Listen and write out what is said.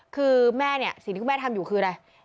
คือสิ่งที่คุณแม่ทำอยู่คืออะไร